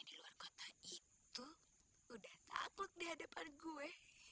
di luar kota itu udah takut di hadapan gue